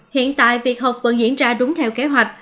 hiện tại việc học vẫn diễn ra đúng theo kế hoạch